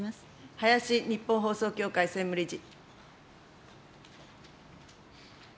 林日本放送協会専務理事。